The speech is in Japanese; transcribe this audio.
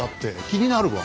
気になるわ。